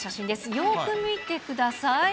よーく見てください。